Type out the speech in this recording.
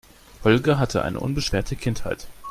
Holger hatte eine unbeschwerte Kindheit.